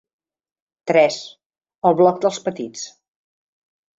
Tres- El ‘bloc dels petits’.